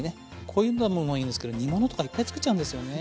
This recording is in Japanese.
こういうのもいいんですけど煮物とかいっぱい作っちゃうんですよね。